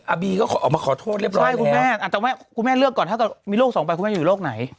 บีก็ออกมาขอโทษเรียบร้อยคุณแม่คุณแม่เลือกก่อนถ้ามีโรคสองใบคุณแม่จะอยู่โรคไหน